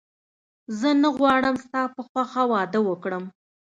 زه نه غواړم ستا په خوښه واده وکړم